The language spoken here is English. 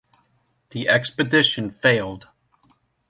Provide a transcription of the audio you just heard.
The expedition failed.